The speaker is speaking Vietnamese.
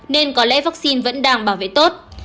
nên có lẽ vaccine vẫn đang bảo vệ tốt